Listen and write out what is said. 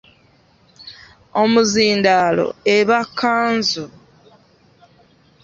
Omuzindaalo eba Kkanzu.